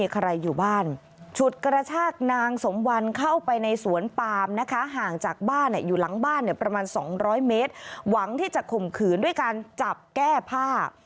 ประมาณสองร้อยเมตรหวังที่จะข่มขืนด้วยการจับแก้ผ้า